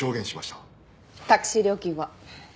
タクシー料金は？